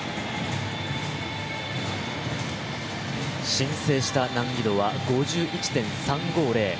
申請した難易度は５１．３５０。